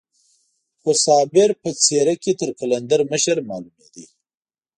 خو صابر په څېره کې تر قلندر مشر معلومېده.